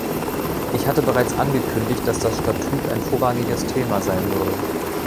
Ich hatte bereits angekündigt, dass das Statut ein vorrangiges Thema sein würde.